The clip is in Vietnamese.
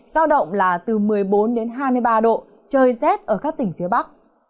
giao động là từ một mươi bốn đến hai mươi ba độ trời rét ở các tỉnh phía bắc